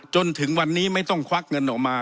จนถึงวันนี้ไม่ต้องควักเงินออกมา